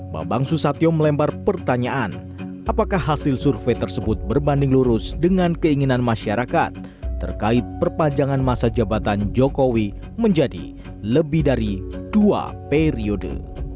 bambang susatyo melempar pertanyaan apakah hasil survei tersebut berbanding lurus dengan keinginan masyarakat terkait perpanjangan masa jabatan jokowi menjadi lebih dari dua periode